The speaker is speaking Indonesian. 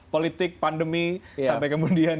politik pandemi sampai kemudian